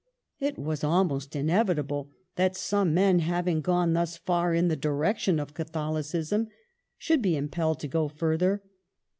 It was almost inevitable that some Ynen, having gone thus far in the direction of Catholicism, should be impelled to go further.